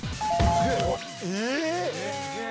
すげえ！